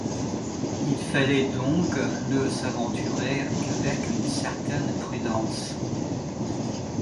Il fallait donc ne s’aventurer qu’avec une certaine prudence.